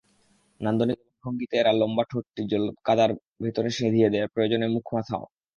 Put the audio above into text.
নান্দনিক ভঙ্গিতে এরা লম্বা ঠোঁটটি জলকাদার ভেতরে সেঁধিয়ে দেয়, প্রয়োজনে মুখ-মাথাও।